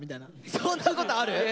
そんなことある？